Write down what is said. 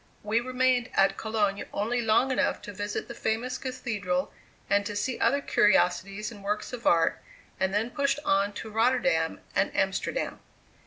We remained at Cologne only long enough to visit the famous cathedral and to see other curiosities and works of art, and then pushed on to Rotterdam and Amsterdam.